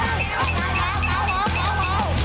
อีกแล้ว